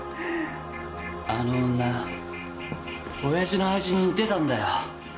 あの女親父の愛人に似てたんだよ。